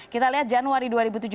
kita lihat januari dua ribu tujuh belas